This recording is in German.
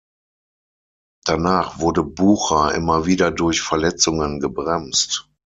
Danach wurde Bucher immer wieder durch Verletzungen gebremst.